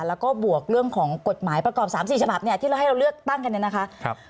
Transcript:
แล้วก็บวกเรื่องของกฎหมายประกอบ๓๔ฉบับเนี่ยที่เราให้เราเลือกตั้งกันเนี่ยนะคะ